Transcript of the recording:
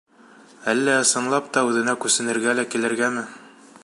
Әллә, ысынлап та, үҙенә күсенергә лә килергәме?